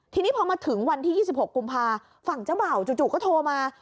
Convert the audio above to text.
ทีนี้พอมาถึงวันที่๒๖กุมภาฝั่งเจ้าบ่าวจู่ก็โทรมา